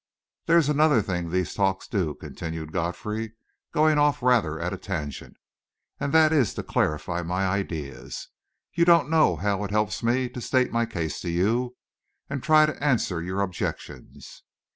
"There's another thing these talks do," continued Godfrey, going off rather at a tangent, "and that is to clarify my ideas. You don't know how it helps me to state my case to you and to try to answer your objections.